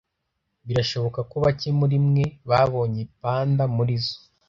Birashoboka ko bake muri mwe babonye panda muri zoo.